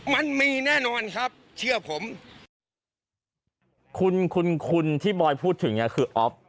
มันมีแน่นอนครับเชื่อผมคุณคุณที่บอยพูดถึงอ่ะคืออ๊อฟ